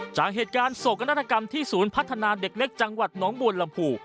จากเหตุการณ์โศกนาฏกรรมที่ศูนย์พัฒนาเด็กเล็กจังหวัดน้องบวนลำภู